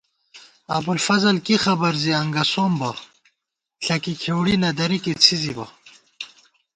ابُوالفضل کی خبر زی انگَسوم بہ، ݪکی کھېوڑی نہ درِکےڅھِزِبہ